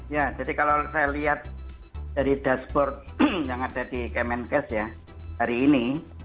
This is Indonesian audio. ya jadi kalau saya lihat dari dashboard yang ada di kemenkes ya hari ini